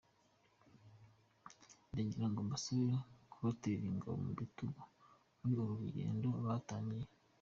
Ndagira ngo mbasabe kubatera ingabo mu bitugu muri uru rugendo batangiye.